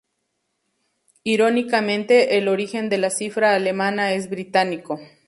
Irónicamente, el origen de la cifra alemana es británico.